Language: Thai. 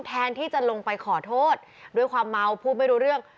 แทนที่จะลงไปขอโทษด้วยความเมาพูดไม่รู้เรื่อง